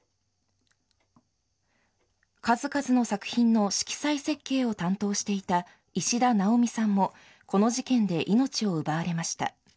数々の作品の色彩設計を担当していた石田奈央美さんも、この事件で命を奪われました。